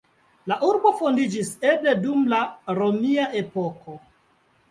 La urbo fondiĝis eble dum la romia epoko.